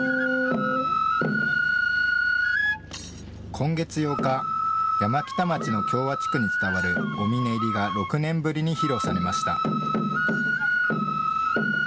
今月８日、山北町の共和地区に伝わるお峰入りが６年ぶりに披露されました。